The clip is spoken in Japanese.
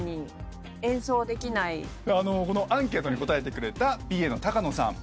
アンケートに答えてくれたＰＡの高野さん。